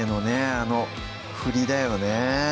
あの振りだよね